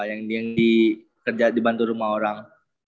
yang kerja di bantu rumah orang